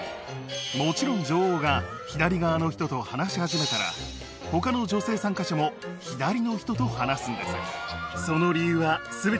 もちろん女王が左側の人と話し始めたら他の女性参加者も左の人と話すんです。